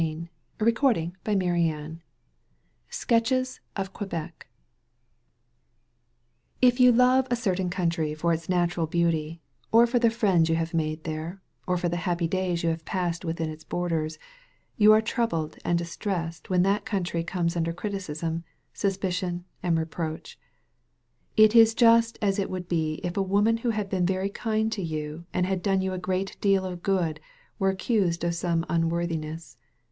158 SKETCHES OF QUEBEC SKETCHES OF QUEBEC If you love a certain country, for its natural beauty, or for the friends you have made there, or for the happy days you have passed within its borders, you are troubled and distressed when that country comes under criticism, suspicion, and re proach. It is just as it would be if a woman who had been very kind to you and had done you a great deal of good were accused of some unworthiness.